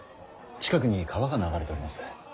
近くに川が流れております。